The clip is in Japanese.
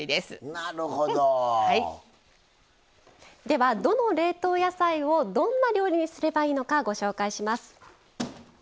ではどの冷凍野菜をどんな料理にすればいいのかご紹介します。